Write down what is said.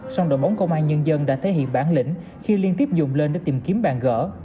song đội bóng công an nhân dân đã thể hiện bản lĩnh khi liên tiếp dùng lên để tìm kiếm bàn gỡ